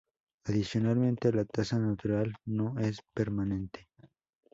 Adicionalmente, la tasa natural no es permanente.